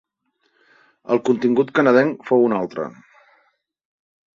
El contingut canadenc fou un altre.